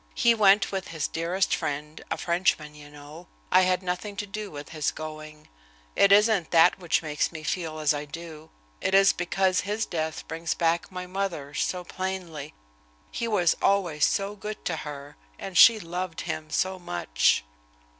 "He went with his dearest friend, a Frenchman, you know. I had nothing to do with his going. It isn't that which makes me feel as I do. It is because his death brings back my mother's so plainly. He was always so good to her, and she loved him so much."